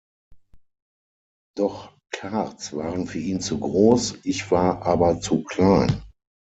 Doch Karts waren für ihn zu groß: "„Ich war aber zu klein.